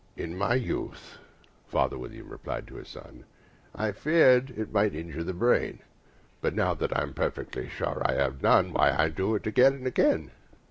"In my youth," father William replied to his son, "I feared it might injure the brain; But, now that I'm perfectly sure I have none, Why, I do it again and again."